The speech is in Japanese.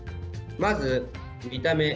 まず、見た目。